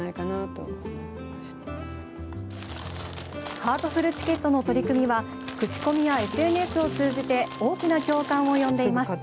ハートフルチケットの取り組みは口コミやＳＮＳを通じて大きな共感を呼んでいます。